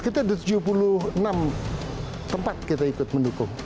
kita ada tujuh puluh enam tempat kita ikut mendukung